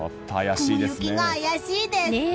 雲行きが怪しいです。